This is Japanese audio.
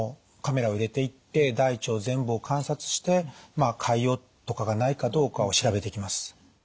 カメラを入れていって大腸全部を観察して潰瘍とかがないかどうかを調べていきます。